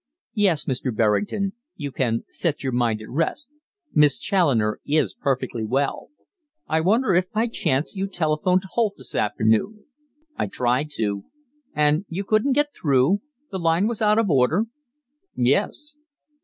Yes, Mr. Berrington, you can set your mind at rest Miss Challoner is perfectly well. I wonder if by chance you telephoned to Holt this afternoon." "I tried to." "And you couldn't get through? The line was out of order?" "Yes."